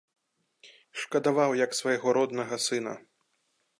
Шкадаваў, як свайго роднага сына.